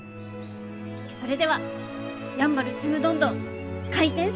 それではやんばるちむどんどん開店します！